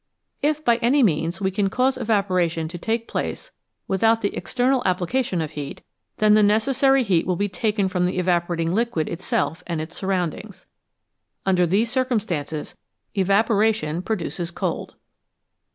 If by any means we can cause evaporation to take place without the external application of heat, then the neces sary heat will be taken from the evaporating liquid itself and its surroundings. Under these circumstances evaporation produces cold.